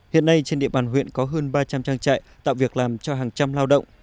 hiện nay trên địa bàn huyện có hơn ba trăm linh trang trại tạo việc làm cho hàng trăm lao động